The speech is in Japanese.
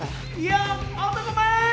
よっ男前！